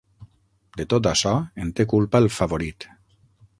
De tot açò en té culpa el favorit.